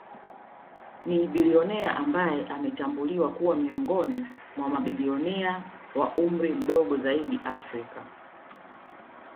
Ni bilionea ambaye ametambuliwa kuwa miongoni mwa mabilionea wa umri mdogo zaidi Afrika